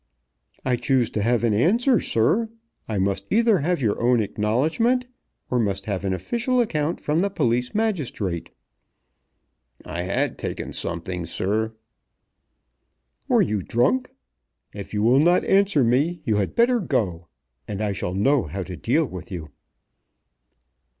"I choose to have an answer, sir. I must either have your own acknowledgment, or must have an official account from the police magistrate." "I had taken something, sir." "Were you drunk? If you will not answer me you had better go, and I shall know how to deal with you."